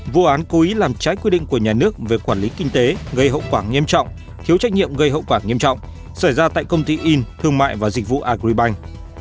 vụ án cố ý làm trái quy định của nhà nước về quản lý kinh tế gây hậu quả nghiêm trọng thiếu trách nhiệm gây hậu quả nghiêm trọng xảy ra tại công ty in thương mại và dịch vụ agribank